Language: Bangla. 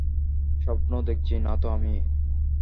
স্বপ্ন দেখছি নাতো আমি?